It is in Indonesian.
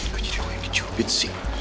kau jadi main kejubit sih